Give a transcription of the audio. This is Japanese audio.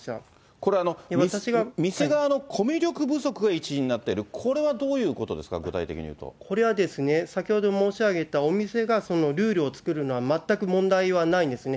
これ、店側のコミュ力不足が一因になっている、これはどういこれはですね、先ほど申し上げたお店がルールを作るのは全く問題はないんですね。